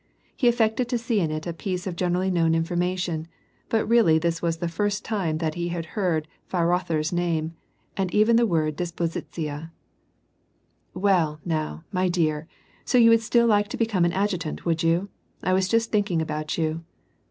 He affected to see in it a piece of generally known information, but really this was the first time that he had heard Weirother's name, and even the word dispo zitsiya, " Well, now, my dear, so you would still like to become an adjutant, would you ? I was just thinking about you."